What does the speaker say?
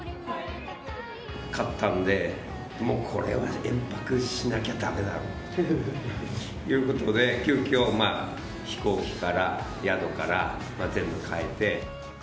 勝ったんで、もうこれは延泊しなきゃだめだろうっていうことで、急きょ、飛行機から宿から全部変えて。